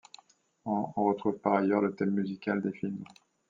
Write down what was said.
On retrouve par ailleurs le thème musical des films.